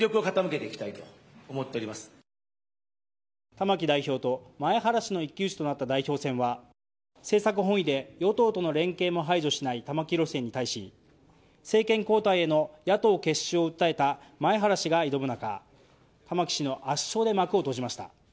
玉木代表と前原氏の一騎打ちとなった代表選は政策本位で与党との連携も排除しない玉木路線に対し政権交代への野党結集を訴えた前原氏が挑む中玉木氏の圧勝で幕を閉じました。